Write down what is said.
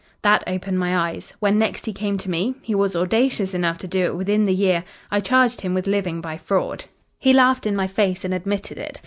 That opened my eyes. When next he came to me he was audacious enough to do it within the year I charged him with living by fraud. He laughed in my face and admitted it.